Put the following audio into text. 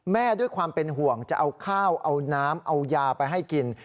ด้วยความเป็นห่วงจะเอาข้าวเอาน้ำเอายาไปให้กิน